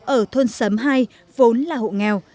ở thôn sấm hai vốn là hộ nghèo